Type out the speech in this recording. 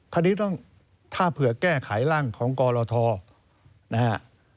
คราวนี้ต้องถ้าเผื่อแก้ไขร่ล่างของกรทนะฮะ